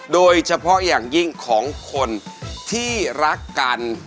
โดยเฉพาะอย่างยิ่งของคนที่รักกัน